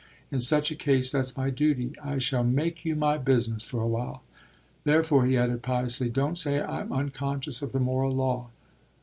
In such a case that's my duty. I shall make you my business for a while. Therefore," he added piously; "don't say I'm unconscious of the moral law."